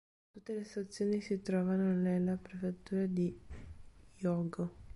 Tutte le stazioni si trovano nella prefettura di Hyōgo